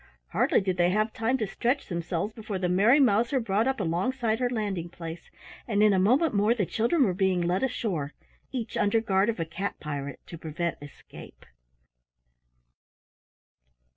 Hardly did they have time to stretch themselves before the Merry Mouser brought up alongside her landing place, and in a moment more the children were being led ashore, each under guard of a cat pirate to prevent escape.